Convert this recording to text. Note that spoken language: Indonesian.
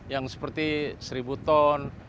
yang seperti seribu ton